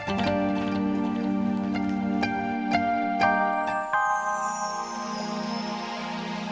itu ini sudah saling bersinang